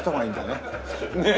ねえ。